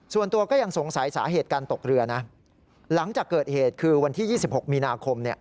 ส่วนตัวก็ยังสงสัยสาเหตุการตกเรือนะหลังจากเกิดเหตุคือวันที่๒๖มีนาคม